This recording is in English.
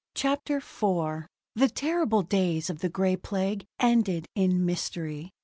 CHAPTER IV The terrible days of the Gray Plague ended in mystery.